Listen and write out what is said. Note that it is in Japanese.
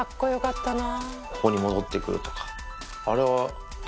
ここに戻って来るとか。